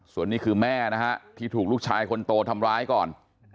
ส่วนนี้คือแม่นะฮะที่ถูกลูกชายคนโตทำร้ายก่อน